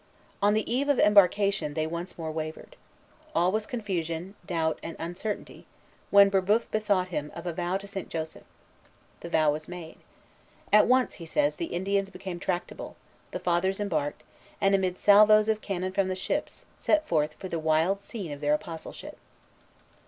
On the eve of embarkation, they once more wavered. All was confusion, doubt, and uncertainty, when Brébeuf bethought him of a vow to St. Joseph. The vow was made. At once, he says, the Indians became tractable; the Fathers embarked, and, amid salvos of cannon from the ships, set forth for the wild scene of their apostleship.